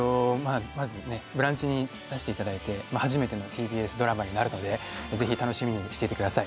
「ブランチ」に出していただいて初めてのＴＢＳドラマになるので、ぜひ楽しみにしていてください。